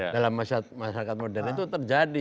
dalam masyarakat modern itu terjadi